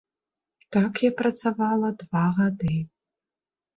Так я працавала два гады.